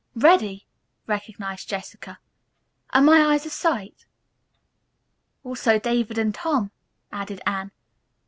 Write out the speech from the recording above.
"Reddy!" recognized Jessica. "Are my eyes a sight?" "Also David and Tom," added Anne.